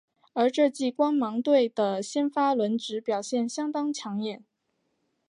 而这季光芒队的先发轮值表现相当抢眼。